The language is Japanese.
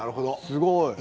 すごい。